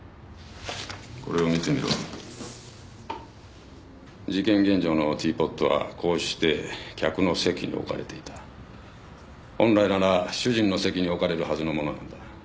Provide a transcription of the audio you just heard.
これを見てみろ事件現場のティーポットはこうして客の席に置かれていた本来なら主人の席に置かれるはずのものなんだ